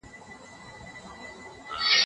په قلم خط لیکل د شخصیت د درناوي نښه ده.